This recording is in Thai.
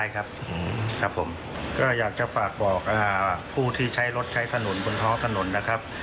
ครับผมก็อยากจะฝากบอกผู้ที่ใช้รถใช้ถนนบนท้องถนนนะครับ